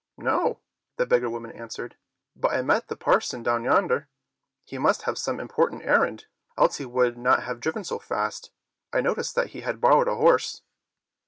"No," the beggar woman answered, "but I met the parson down yonder. He must have some important errand, else he would not have driven so fast. I noticed that he had a borrowed horse."